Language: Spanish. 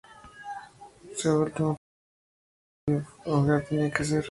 Su último trabajo fue en el episodio "¡Mujer tenía que ser!